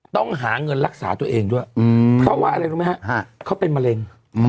ต้องหาเงินรักษาตัวเองด้วยเพราะว่าอะไรรู้ไหมฮะเขาเป็นมะเร็ง